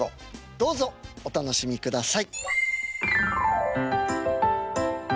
どうぞお楽しみください。